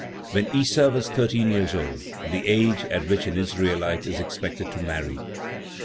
When Issa was thirteen years old, the age at which an Israelite is expected to marry, 11.